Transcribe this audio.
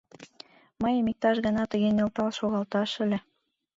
— Мыйым иктаж-гына тыге нӧлтал шогалташ ыле.